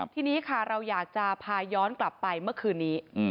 ทีนี้ค่ะเราอยากจะพาย้อนกลับไปเมื่อคืนนี้